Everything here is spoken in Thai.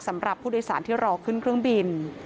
สำหรับผู้โดยสารที่รอขึ้นเครื่องบิน